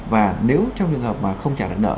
và nếu trong trường hợp mà không trả được nợ